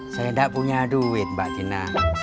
saya tidak punya duit mbak tina